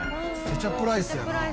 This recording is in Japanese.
ケチャップライス